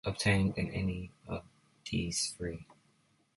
No seat was obtained in any of these three.